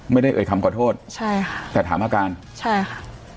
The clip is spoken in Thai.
ไม่ได้เอ่ยคำขอโทษแต่ถามอาการใช่ค่ะ